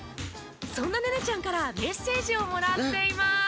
そんなｎｅｎｅちゃんからメッセージをもらっています。